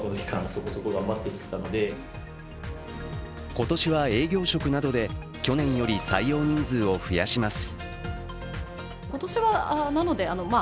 今年は営業職などで去年より採用人数を増やします。